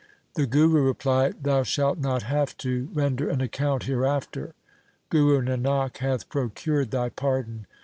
The Guru replied, ' Thou shalt not have to render an account hereafter. Guru Nanak hath procured thy pardon.'